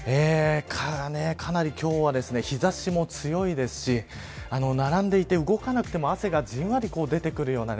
かなり今日は日差しも強いですし並んでいて動かなくても汗がじんわり出てくるような